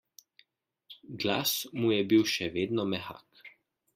Glas mu je bil še vedno mehak.